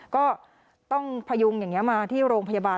ก็ต้องพยุงอย่างนี้มาที่โรงพยาบาล